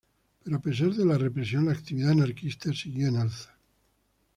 Pero a pesar de la represión la actividad anarquista siguió en alza.